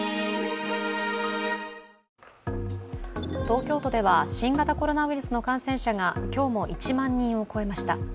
東京都では新型コロナウイルスの感染者が今日も１万人を超えました。